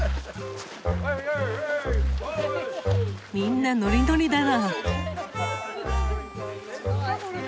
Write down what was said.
みんなノリノリだな。